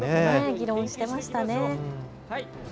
議論してましたね。